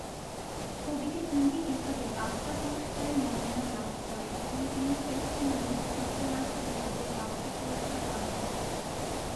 ছবিটি তিনটি বিভাগে বাফটা পুরস্কারের মনোনয়ন লাভ করে এবং তিনি শ্রেষ্ঠ মৌলিক চিত্রনাট্য বিভাগে বাফটা পুরস্কার অর্জন করে।